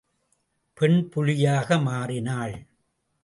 பெண் புலியாக மாறினாள்.